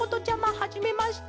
はじめまして。